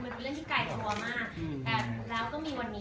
มันเป็นเรื่องที่ไกลตัวมากแต่แล้วก็มีวันนี้